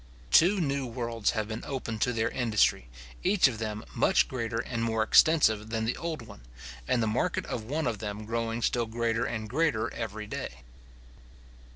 Two new worlds have been opened to their industry, each of them much greater and more extensive than the old one, and the market of one of them growing still greater and greater every day.